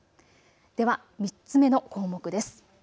では３つ目の項目です。